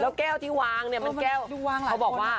แล้วแก้วที่วางเนี่ยมันแก้ว